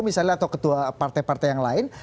misalnya atau ketua partai partai yang lain